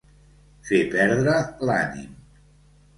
Fer perdre l'ànim.